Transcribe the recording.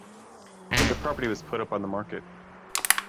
The property was put on the market.